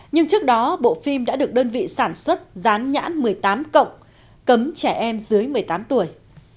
nhưng trước đó bộ phim đã được đơn vị sản xuất dán nhãn một mươi tám cộng cấm trẻ em dưới một mươi tám tuổi